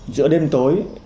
giữa đêm tối